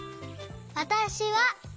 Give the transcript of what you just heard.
「わたしは」